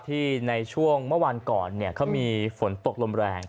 ที่ในช่วงเมื่อวานก่อนเขามีฝนตกลมแรง